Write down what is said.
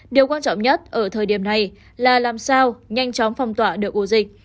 điều quan trọng nhất ở thời điểm này là làm sao nhanh chóng phong tỏa được ổ dịch